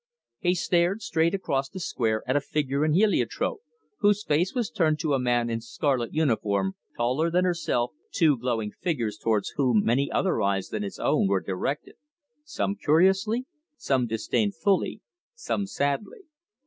He stared straight across the square at a figure in heliotrope, whose face was turned to a man in scarlet uniform taller than herself two glowing figures towards whom many other eyes than his own were directed, some curiously, some disdain fully, some sadly.